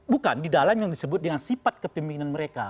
bukan di dalam yang disebut dengan sifat kepemimpinan mereka